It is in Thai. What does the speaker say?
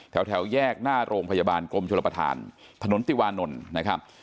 แถวแยกหน้าโรงพยาบาลกรมชุมประธานถนติวานนท์